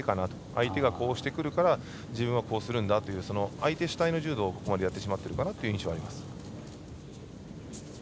相手がこうしてくるから自分はこうするんだという相手主体の柔道をこれまでやってしまっているかなという印象があります。